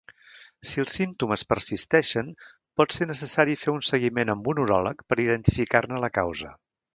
Si els símptomes persisteixen, pot ser necessari fer un seguiment amb un uròleg per identificar-ne la causa.